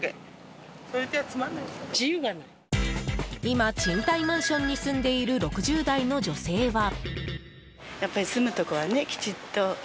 今、賃貸マンションに住んでいる、６０代の女性は。